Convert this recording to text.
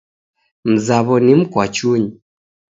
Mzaw'o ni mkwachunyi.